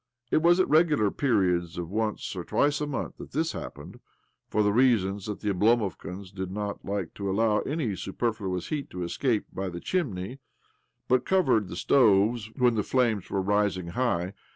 It was at regular periods of once or twice a month that this happened, for the reason that thte Oblomovkans: did not like to allow any super fluous heat to escape by the chimney, but covered the stoves when the flames were rising high.